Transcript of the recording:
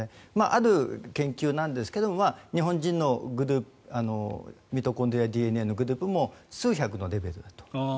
ある研究なんですけど日本人のミトコンドリアＤＮＡのグループも数百のレベルだと。